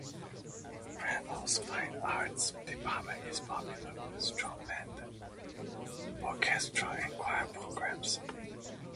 Preble's fine arts department is popular, with strong band, orchestra, and choir programs.